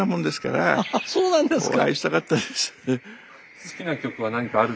そうなんですか！